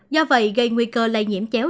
do vậy gây nguy cơ lây nhiễm chéo